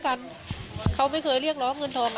หลังจากผู้ชมไปฟังเสียงแม่น้องชมไป